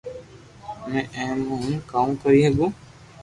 ھمي اي مي ھون ڪاو ڪري ھگو